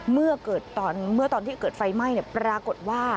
เมื่อตอนที่เกิดไฟไหม้ปรากฏว่า